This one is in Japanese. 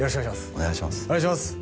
お願いします！